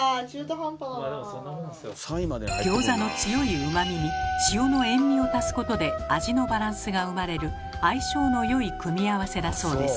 ギョーザの強いうまみに塩の塩味を足すことで味のバランスが生まれる相性の良い組み合わせだそうです。